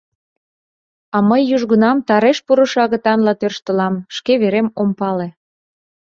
А мый южгунам тареш пурышо агытанла тӧрштылам, шке верем ом пале...